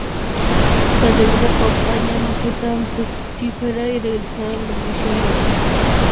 La segunda campaña no fue tan fructífera y regresaron a División de Honor.